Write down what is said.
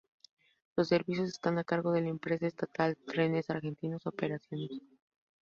Los servicios están a cargo de la empresa estatal Trenes Argentinos Operaciones.